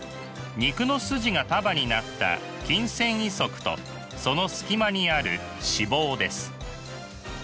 肉の筋が束になった筋繊維束とその隙間にある脂肪です。